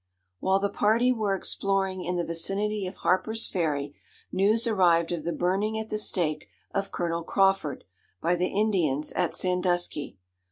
"While the party were exploring in the vicinity of Harper's Ferry, news arrived of the burning at the stake of Colonel Crawford, by the Indians at Sandusky.